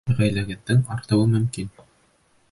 Ғаиләгеҙҙең артыуы мөмкин.